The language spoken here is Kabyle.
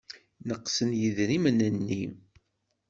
Neqsen yidrimen-nni.